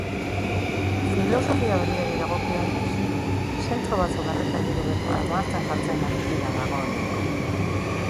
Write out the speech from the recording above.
Filosofia berriari dagokionez, zentro batzuk arreta-eredu berria martxan jartzen ari dira dagoeneko.